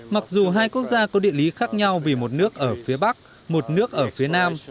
mặc dù hai quốc gia có địa lý khác nhau vì một nước ở phía bắc một nước ở phía nam